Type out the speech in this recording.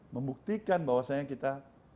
membuktikan bahwasanya kita